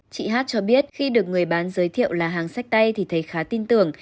chị hát cho biết khi được người bán giới thiệu là hàng sách tay thì thấy khá tin tưởng